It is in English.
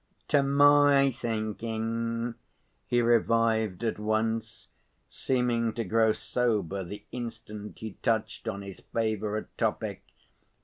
"To my thinking," he revived at once, seeming to grow sober the instant he touched on his favorite topic.